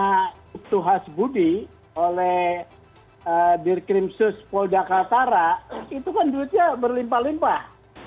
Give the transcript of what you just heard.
nah tuhas budi oleh birkrim sus pol dakartara itu kan duitnya berlimpah limpah